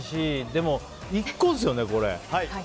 でも、１個ですよね、これ。